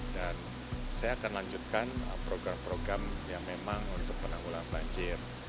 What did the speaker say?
dan saya akan lanjutkan program program yang memang untuk penanggulangan banjir